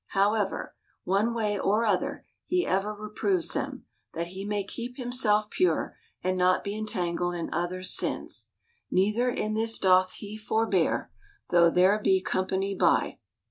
However, one way or other, he ever reproves them, that he may keep himself pure, and not be entangled in others' sins. Neither in this doth he forbear, though there be com pany by.